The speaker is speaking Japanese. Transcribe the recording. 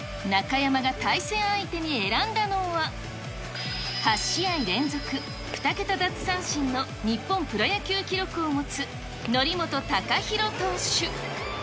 中山が対戦相手に選んだのは、８試合連続２桁奪三振の日本プロ野球記録を持つ、則本昂大投手。